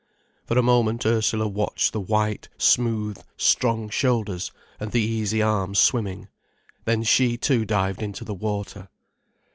For a moment Ursula watched the white, smooth, strong shoulders, and the easy arms swimming. Then she too dived into the water.